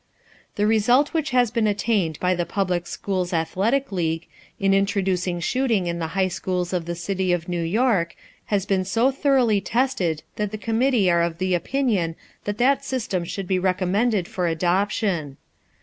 The result which has been attained by the Public Schools Athletic League in introducing shooting in the high schools of the city of New York has been so thoroughly tested that the committee are of the opinion that that system should be recommended for adoption.